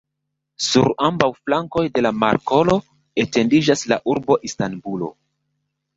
Sur ambaŭ flankoj de la markolo etendiĝas la urbo Istanbulo.